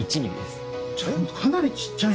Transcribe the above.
かなり小っちゃい。